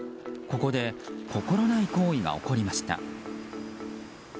ここで心ない行為が起こりました。